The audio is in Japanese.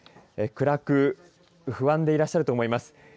暗く不安でいらっしゃると思います。